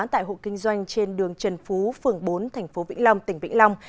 tại hộ kinh doanh trên đường trần phú phường bốn thành phố vĩnh long tỉnh vĩnh long